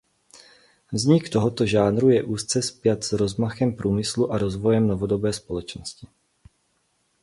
Vznik tohoto žánru je úzce spjat s rozmachem průmyslu a rozvojem novodobé společnosti.